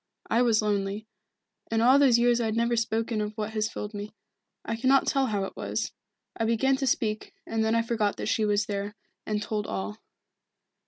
I was lonely. In all those years I have never spoken of what has filled me. I cannot tell how it was. I began to speak, and then I forgot that she was there, and told all."